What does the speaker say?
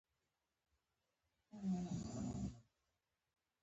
دوی په اروپا او امریکا کې په غوره پوهنتونونو کې زده کړې کړې دي.